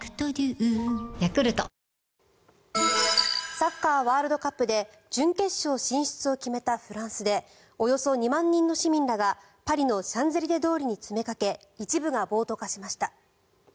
サッカーワールドカップで準決勝進出を決めたフランスでおよそ２万人の市民らが、パリのシャンゼリゼ通りに詰めかけ一部が暴徒化しました。